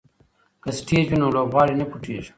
که سټیج وي نو لوبغاړی نه پټیږي.